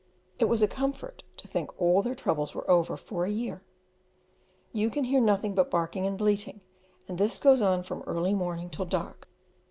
It was a comfort to think all their troubles were over, for a year. You can hear nothing but barking and bleating, and this goes on from early morning till dark.